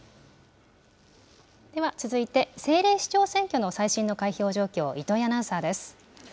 では続いて、政令市長選挙の最新の開票状況、糸井アナウンサーです。